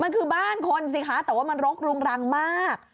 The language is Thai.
มันคือบ้านคนสิคะแต่ว่ามันรกรุงรังมาก